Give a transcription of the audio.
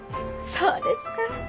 そうですか。